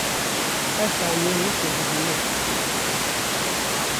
Her saniyeyê te dibîne